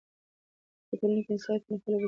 که په ټولنه کې انصاف وي، نو خلکو کې کینه نه وي.